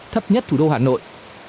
thấp nhất thủ đô hà nội